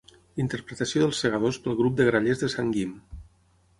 Interpretació dels segadors pel grup de Grallers de Sant Guim.